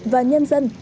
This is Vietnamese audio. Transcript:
và nhân dân